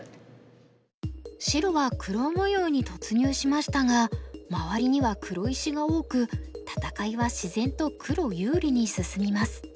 白は黒模様に突入しましたが周りには黒石が多く戦いは自然と黒有利に進みます。